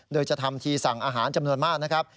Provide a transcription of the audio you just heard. โดยจะทำทีสั่งอาหารจำนวนมากนะครับ